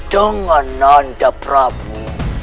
dengan nanda prabu